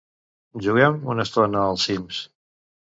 Juguem una estona al "Sims".